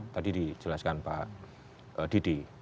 tadi dijelaskan pak didi